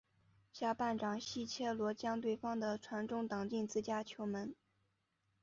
下半场西切罗将对方的传中挡进自家球门。